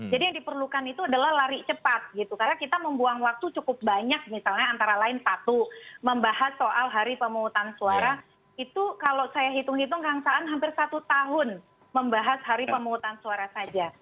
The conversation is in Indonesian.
jadi yang diperlukan itu adalah lari cepat gitu karena kita membuang waktu cukup banyak misalnya antara lain satu membahas soal hari pemungutan suara itu kalau saya hitung hitung kagetan hampir satu tahun membahas hari pemungutan suara saja